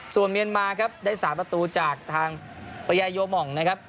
ส่วนเมียนมาครับได้๓ตัวตัวจากทางประยายโยมองค์นะครับ